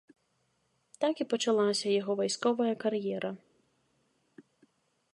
Так і пачалася яго вайсковая кар'ера.